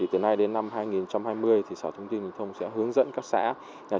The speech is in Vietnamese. từ nay đến năm hai nghìn hai mươi sở thông tin thông sẽ hướng dẫn các xã